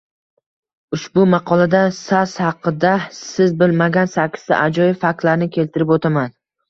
Ushbu maqolada saas haqida siz bilmagan sakkizda ajoyib faktlarni keltirib o’taman